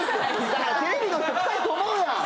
だからテレビの人臭いと思うやん。